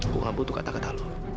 gue gak butuh kata kata lo